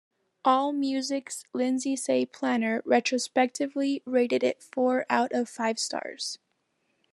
Allmusic's Lindsay Planer retrospectively rated it four out of five stars.